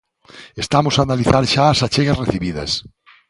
Estamos a analizar xa as achegas recibidas.